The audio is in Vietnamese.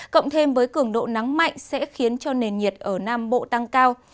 cộng thêm với cường độ nắng mạnh sẽ khiến cho nền nhiệt ở nam bộ tăng cao